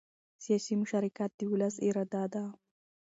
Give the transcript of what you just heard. سیاسي مشارکت د ولس اراده ده